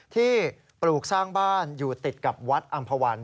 ปลูกสร้างบ้านอยู่ติดกับวัดอำภาวัน